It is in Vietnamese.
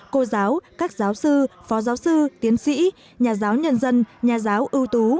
cô giáo các giáo sư phó giáo sư tiến sĩ nhà giáo nhân dân nhà giáo ưu tú